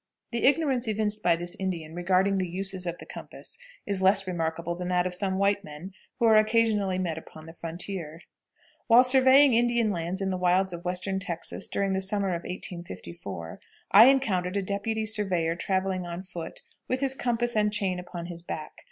The ignorance evinced by this Indian regarding the uses of the compass is less remarkable than that of some white men who are occasionally met upon the frontier. While surveying Indian lands in the wilds of Western Texas during the summer of 1854, I encountered a deputy surveyor traveling on foot, with his compass and chain upon his back.